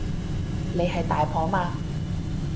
你係大婆嘛